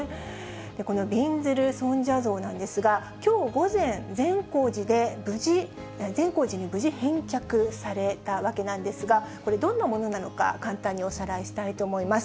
このびんずる尊者像なんですが、きょう午前、善光寺で無事、返却されたわけなんですが、これ、どんなものなのか、簡単におさらいしたいと思います。